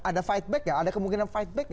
ada fight back ya ada kemungkinan fight back nya